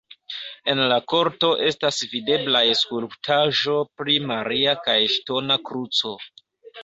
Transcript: En la korto estas videblaj skulptaĵo pri Maria kaj ŝtona kruco.